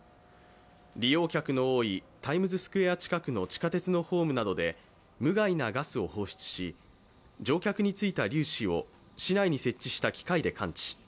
利用客の多いタイムズスクエア近くの地下鉄のホームなどで無害なガスを放出し、乗客についた粒子を市内に設置した機械で関知。